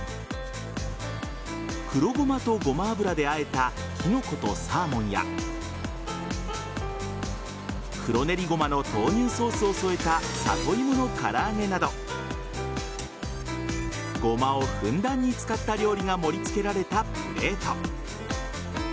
黒ごまとごま油であえたキノコとサーモンや黒ねりごまの豆乳ソースを添えた里芋の唐揚げなどごまをふんだんに使った料理が盛り付けられたプレート。